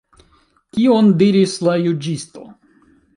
Kion diris la juĝisto?